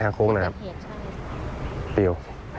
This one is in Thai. ทางโค้งนะครับเปรียว